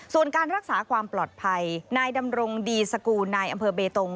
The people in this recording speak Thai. ส่วนการรักษาความปลอดภัยนายดำรงดีสกูลนายอำเภอเบตง